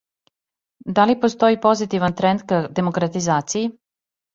Да ли постоји позитиван тренд ка демократизацији?